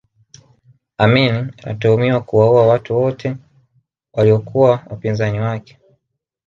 amini anatuhumiwa kuwaua watu wote waliyokuwa wapinzani wake